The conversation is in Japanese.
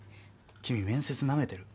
君面接なめてる？